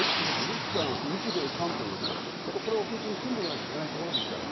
日韓、日米韓というね、組んでいかなきゃいけないところですもんね。